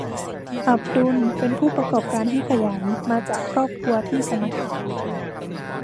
อับดุลเป็นผู้ประกอบการที่ขยัน มาจากครอบครัวที่สมถะ